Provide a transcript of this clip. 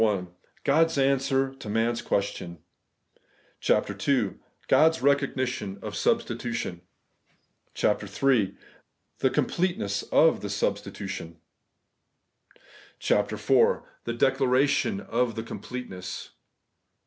PAGK god's answeb to man's qtjeston, 1 CHAPTER IL god's eecognition of substitution, ... .14 CHAPTER III. THE COMPLETENESS OF THE SUBSTITUTION, .... 26 CHAPTER IV. THE DECLARATION OF THE COMPLETENESS